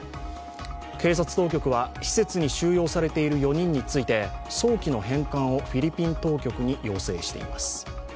警察当局は、施設に収容されている４人について早期の返還をフィリピン当局に要請しています。